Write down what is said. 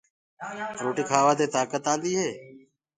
روٽيٚ کاوآ دي تآڪت آنٚديٚ هي